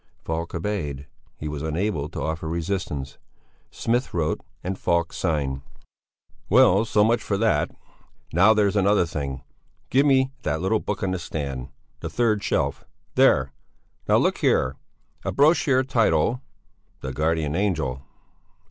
Falk obeyed; he was unable to offer resistance. Smith wrote and Falk signed. "Well, so much for that! Now, there's another thing! Give me that little book on the stand! The third shelf! There! Now look here! A brochure title: "The Guardian Angel."